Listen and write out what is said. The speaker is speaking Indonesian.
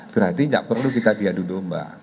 berarti tidak perlu kita diadu domba